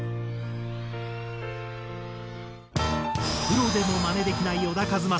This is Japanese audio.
プロでもマネできない小田和正。